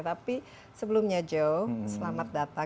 tapi sebelumnya joe selamat datang